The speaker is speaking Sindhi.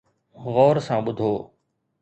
غور سان ٻڌو